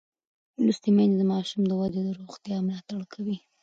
لوستې میندې د ماشوم د ودې او روغتیا ملاتړ کوي.